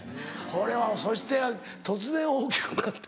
これはそして突然大きくなって。